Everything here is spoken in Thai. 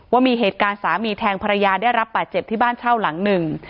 ว่ามีเหตุการณ์สามีแทงภรรยาได้รับบาดเจ็บที่บ้านเช่าหลังหนึ่ง